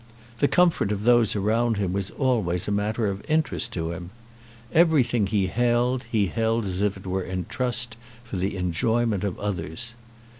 The comfort of those around him was always matter of interest to him. Everything he held, he held as it were in trust for the enjoyment of others.